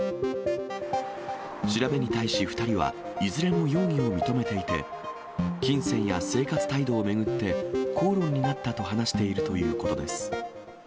調べに対し２人は、いずれも容疑を認めていて、金銭や生活態度を巡って口論になったと話しているということです。